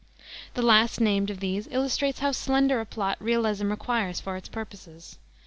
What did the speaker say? The last named of these illustrates how slender a plot realism requires for its purposes.